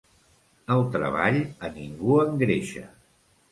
El treball a ningú engreixa.